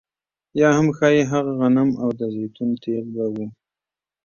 یا هم ښايي هغه غنم او د زیتونو تېل به وو